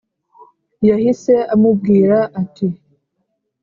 yahise amubwira ati: